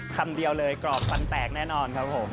คำเดียวเลยกรอบฟันแตกแน่นอนครับผม